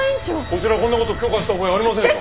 こちらこんなこと許可した覚えはありませんよ。